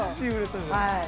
はい。